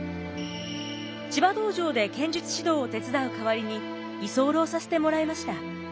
千葉道場で剣術指導を手伝う代わりに居候させてもらいました。